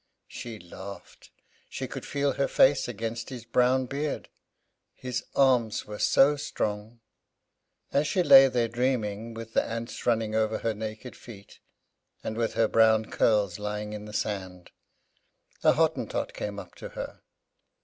She laughed she could feel her face against his brown beard. His arms were so strong. As she lay there dreaming, with the ants running over her naked feet, and with her brown curls lying in the sand, a Hottentot came up to her.